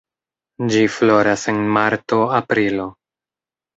Ĝi floras en marto-aprilo.